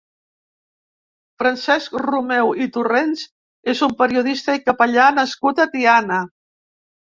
Francesc Romeu i Torrents és un periodista i capellà nascut a Tiana.